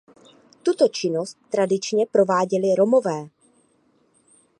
Tuto činnost tradičně prováděli Romové.